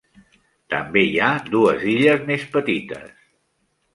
També hi ha dues illes més petites.